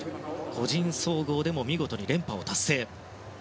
個人総合でも見事に連覇を達成。